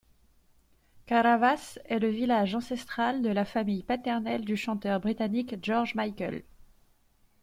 Karavás est le village ancestral de la famille paternelle du chanteur britannique George Michael.